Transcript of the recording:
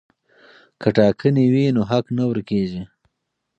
که ټاکنې وي نو حق نه ورک کیږي.